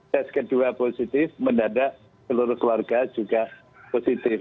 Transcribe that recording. tes kedua positif mendadak seluruh keluarga juga positif